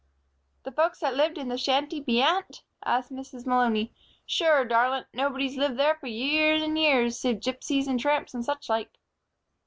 "The folks that lived in the shanty beyant?" asked Mrs. Malony. "Sure, darlint, nobody's lived there for years and years save gipsies and tramps and such like."